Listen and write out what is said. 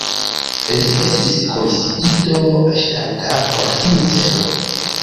Li estis komisiito ŝtata por tiu celo.